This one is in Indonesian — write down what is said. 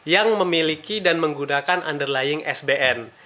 yang memiliki dan menggunakan underlying sbn